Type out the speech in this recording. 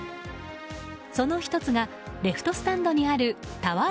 その１つがレフトスタンドにあるＴＯＷＥＲ